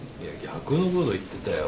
逆のこと言ってたよ。